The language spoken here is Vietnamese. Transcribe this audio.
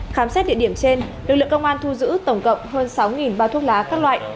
khám xét địa điểm trên lực lượng công an thu giữ tổng cộng hơn sáu bao thuốc lá các loại